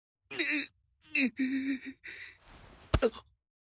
あっ。